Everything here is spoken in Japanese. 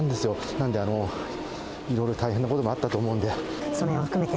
なんで、あの、いろいろ大変なこともあったと思うんで、そのへんも含めて。